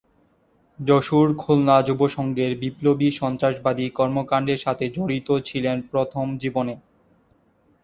যশোর খুলনা যুব সংঘের বিপ্লবী সন্ত্রাসবাদী কর্মকান্ডের সাথে জড়িত ছিলেন প্রথম জীবনে।